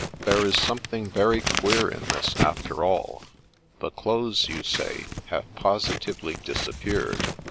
' There is something very queer in this, after all. The clothes, you say, have positively disappeared.